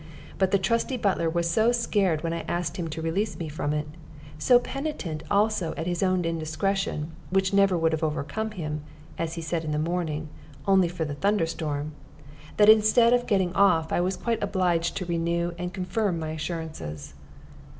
But the trusty butler was so scared when I asked him to release me from it, so penitent also at his own indiscretion, which never would have overcome him (as he said in the morning) only for the thunder storm, that instead of getting off, I was quite obliged to renew and confirm my assurances.